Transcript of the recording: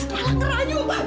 malah ngerayu bang